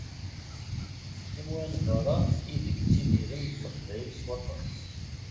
Timura n berra ideg ttidiren Leqbayel s waṭas.